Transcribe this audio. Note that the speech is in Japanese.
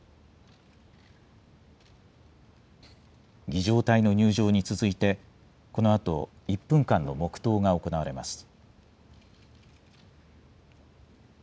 儀じょう隊の入場に続いて、このあと、１分間の黙とうが行われます。